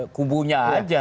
yang kumbunya aja